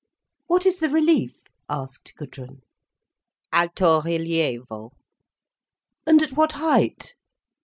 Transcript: "What is the relief?" asked Gudrun. "Alto relievo." "And at what height?"